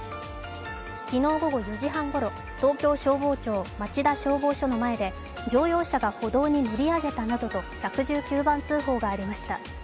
昨日午後４時半ごろ東京消防庁町田消防署の前で乗用車が歩道に乗り上げたなどと１１９番通報がありました。